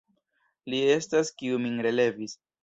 Li estas, kiu min relevis.